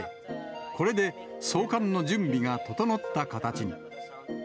これで送還の準備が整った形に。